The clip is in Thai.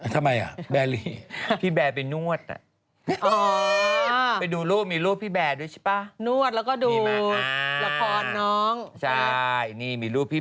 ทำไมอ่ะแบร์ลี